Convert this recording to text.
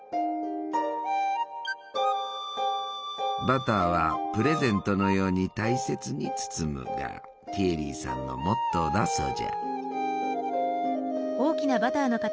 バターは「プレゼントのように大切に包む」がティエリーさんのモットーだそうじゃ。